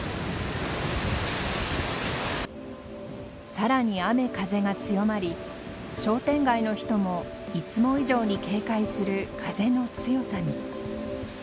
さらに雨風が強まり商店街の人もいつも以上に警戒する風の強さに。